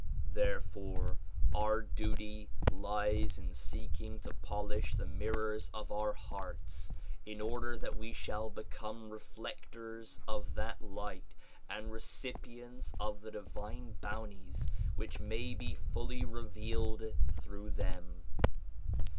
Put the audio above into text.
Therefore our duty lies in seeking to polish the mirrors of our hearts in order that we shall become reflectors of that light and recipients of the divine bounties which may be fully revealed through them.